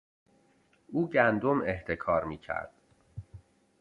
او گندم احتکار میکرد.